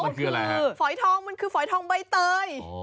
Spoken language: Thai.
มันคืออะไรฮะฝอยทองมันคือฝอยทองใบเตย